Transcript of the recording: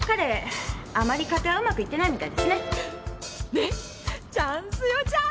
ねっチャンスよチャンス！